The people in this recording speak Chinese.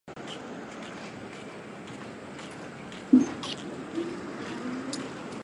任何人的任何行为或不行为,在其发生时依国家法或国际法均不构成刑事罪者,不得被判为犯有刑事罪。